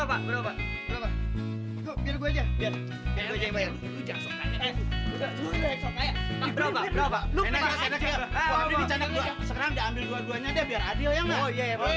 makanya kita harus beli yang banyak kalian bayar oke